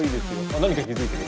あ何かに気付いてる。